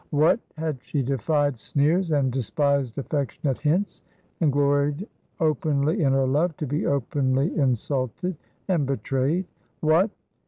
What! had she defied sneers, and despised affectionate hints, and gloried openly in her love, to be openly insulted and betrayed! What!